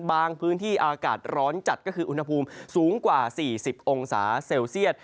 พื้นที่อากาศร้อนจัดก็คืออุณหภูมิสูงกว่า๔๐องศาเซลเซียต